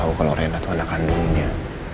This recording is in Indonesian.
aku tau kalau reina tuh anak kandungnya